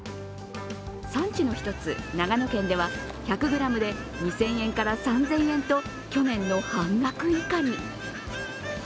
産地の１つ、長野県では１００ｇで２０００円から３０００円と、去年の半額以下に。